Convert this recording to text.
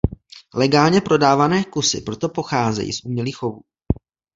Legálně prodávané kusy proto pocházejí z umělých chovů.